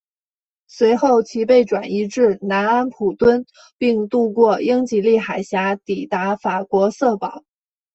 随后其被转移至南安普敦并渡过英吉利海峡抵达法国瑟堡。